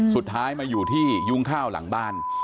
สุดท้ายมาอยู่ที่ยุ้งข้าวหลังบ้าน